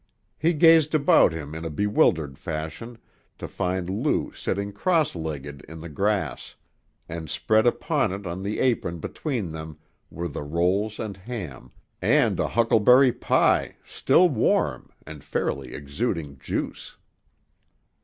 He gazed about him in a bewildered fashion to find Lou sitting cross legged in the grass, and spread upon it on the apron between them were the rolls and ham, and a huckleberry pie, still warm, and fairly exuding juice.